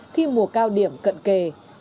khi mùa cao điểm cận kề